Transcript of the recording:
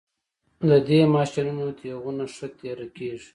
د دې ماشینونو تیغونه ښه تیره کیږي